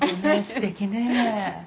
すてきねえ。